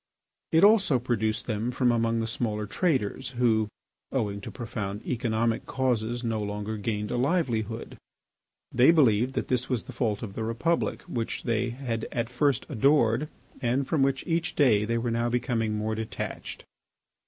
It also produced them from among the smaller traders, who, owing to profound economic causes, no longer gained a livelihood. They believed that this was the fault of the republic which they had at first adored and from which each day they were now becoming more detached.